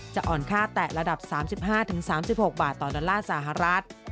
อ่อนค่าแตะระดับ๓๕๓๖บาทต่อดอลลาร์สหรัฐ